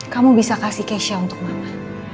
kamu bisa kasih kesha untuk mama